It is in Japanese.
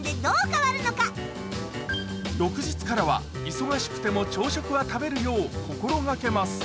翌日からは忙しくても朝食は食べるよう心掛けます